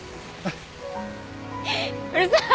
うるさい！